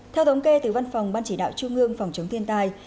theo thống kê từ văn phòng ban chỉ đạo trung ương phòng chống thiên tai